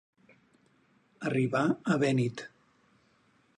Arribar a vènit.